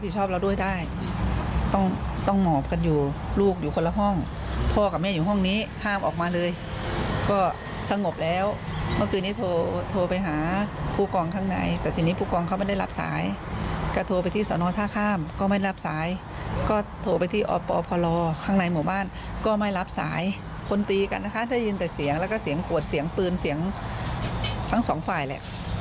เสียงแล้วก็เสียงกวดเสียงปืนเสียงทั้งสองฝ่ายแหละ